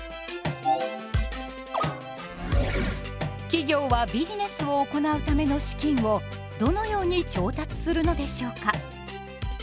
企業はビジネスを行うための資金をどのように調達するのでしょうか。